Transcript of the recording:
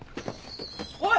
おい。